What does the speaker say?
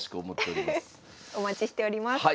お待ちしております。